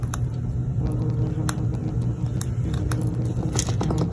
সাধারণত প্রযুক্তি প্রতিষ্ঠানগুলোর ক্ষেত্রে কোনো কনটেন্ট সরিয়ে ফেলতে ব্যবহারকারীর ওপর নির্ভর করতে হয়।